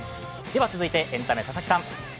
では続いてエンタメ、佐々木さん。